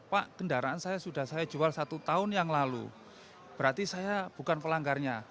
pak kendaraan saya sudah saya jual satu tahun yang lalu berarti saya bukan pelanggarnya